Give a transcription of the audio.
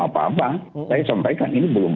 apa apa saya sampaikan ini belum